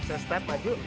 saya step maju